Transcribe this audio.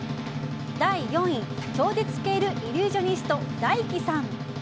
第４位超絶系イリュージョニストＤＡＩＫＩさん。